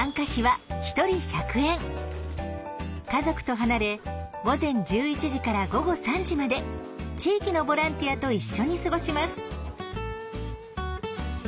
家族と離れ午前１１時から午後３時まで地域のボランティアと一緒に過ごします。